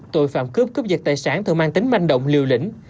tội phạm cướp cốt dịch tài sản thường mang tính manh động liều lĩnh